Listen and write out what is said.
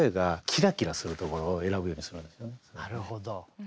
なるほど。